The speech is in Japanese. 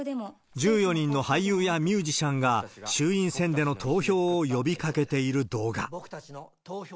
１４人の俳優やミュージシャンが、衆院選での投票を呼びかけている動画。